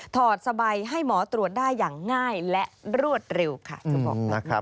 ถอดสบายให้หมอตรวจได้อย่างง่ายและรวดเร็วค่ะ